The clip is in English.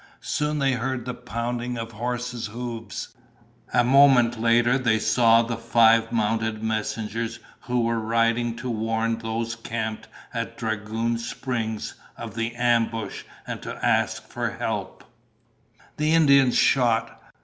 Soon they heard the pounding of horses' hoofs. A moment later they saw the five mounted messengers who were riding to warn those camped at Dragoon Springs of the ambush and to ask for help. The Indians shot.